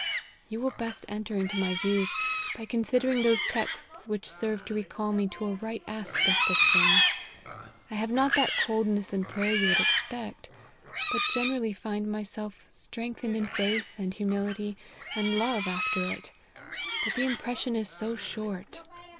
" You will best enter into my views by considering those texts which serve to recall me to a right aspect of things. I have not that coldness in prayer you would expect, but generally find myself strength ened in faith and humility and love after it: but the impression is so short.